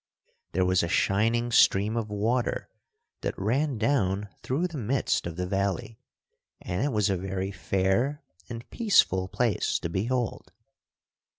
There was a shining stream of water that ran down through the midst of the valley, and it was a very fair and peaceful place to behold.